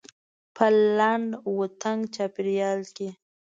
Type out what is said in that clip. په لنډ و تنګ چاپيریال کې.